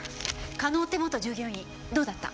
加納って元従業員どうだった？